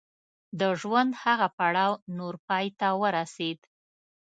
د ژوند هغه پړاو نور پای ته ورسېد.